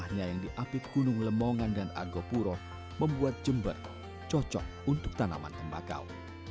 rumahnya yang diapit gunung lemongan dan argopuro membuat jember cocok untuk tanaman tembakau